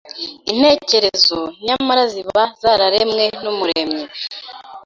intekerezo nyamara ziba zararemwe n’Umuremyi